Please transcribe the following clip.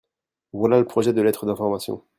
voilà le projet de lettre d'information.